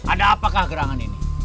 ada apakah gerangan ini